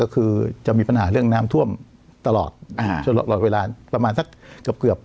คือจะมีปัญหาเรื่องน้ำท่วมตลอดเวลาประมาณสักเกือบเกือบ